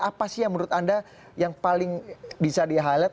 apa sih yang menurut anda yang paling bisa di highlight